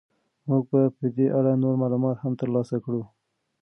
موږ به په دې اړه نور معلومات هم ترلاسه کړو.